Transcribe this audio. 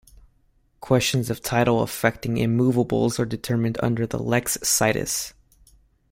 Questions of title affecting immovables are determined under the "lex situs".